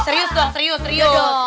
serius dong serius serius